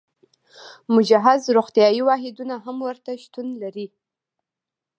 مجهز روغتیايي واحدونه هم ورته شتون لري.